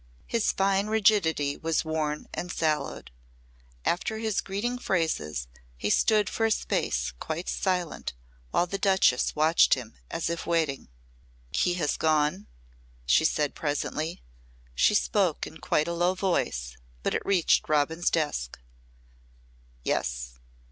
His fine rigidity was worn and sallowed. After his greeting phrases he stood for a space quite silent while the Duchess watched him as if waiting. "He has gone?" she said presently. She spoke in quite a low voice, but it reached Robin's desk. "Yes.